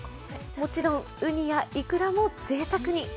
もちろんウニやイクラもぜいたくに。